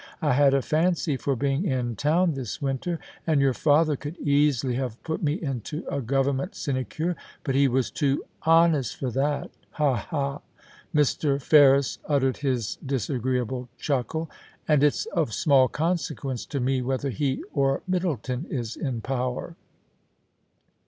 I had a fancy for being in town this winter, and your father could easily have put me into a Government sinecure, but he was too honest for that — ha ! ha !'— Mr. Ferris uttered his disagreeable chuckle — *and it's of small consequence to me whether he or Middleton is in power.'